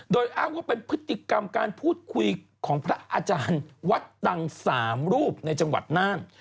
โดยอ้างว่าเป็นพฤติกรรมการพูดคุยของพระอาจารย์วัดดัง๓รูปในจังหวัดน่าน